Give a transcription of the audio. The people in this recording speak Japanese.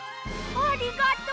ありがとう！